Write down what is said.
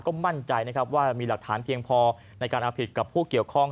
ก็มั่นใจนะครับว่ามีหลักฐานเพียงพอในการเอาผิดกับผู้เกี่ยวข้อง